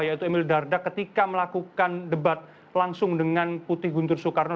yaitu emil dardak ketika melakukan debat langsung dengan putih guntur soekarno